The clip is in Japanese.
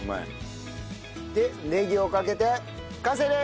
でネギをかけて完成です！